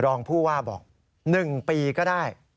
รองผู้ว่าบอกหนึ่งปีก็ได้